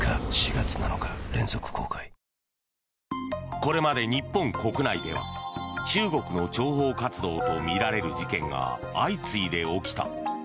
これまで日本国内では中国の諜報活動とみられる事件が相次いで起きた。